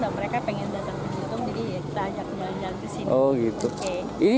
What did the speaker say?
dan mereka pengen datang ke belitung jadi kita ajak kembali kembali ke sini